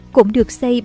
cũng được xây thành